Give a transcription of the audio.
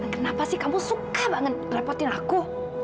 kenapa sih kamu suka banget merepotin aku